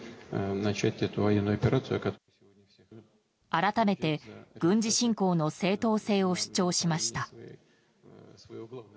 改めて、軍事侵攻の正当性を主張しました。